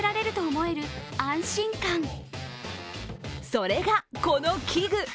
それが、この器具！